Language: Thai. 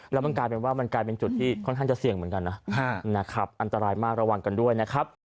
แล้วมันกลายเป็นจุดที่ค่อนข้างจะเสี่ยงเหมือนกันนะอันตรายมากระวังกันด้วยนะครับ